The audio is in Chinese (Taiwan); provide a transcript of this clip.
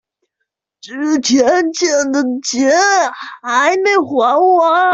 之前欠的錢還沒還完